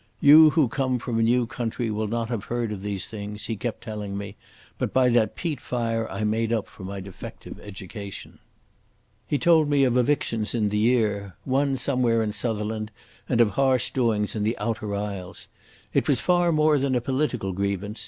"You who come from a new country will not haf heard of these things," he kept telling me, but by that peat fire I made up for my defective education. He told me of evictions in the year. One somewhere in Sutherland, and of harsh doings in the Outer Isles. It was far more than a political grievance.